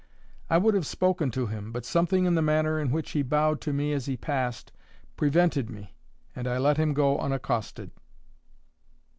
I would have spoken to him, but something in the manner in which he bowed to me as he passed, prevented me, and I let him go unaccosted.